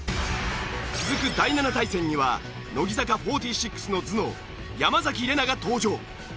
続く第７対戦には乃木坂４６の頭脳山崎怜奈が登場。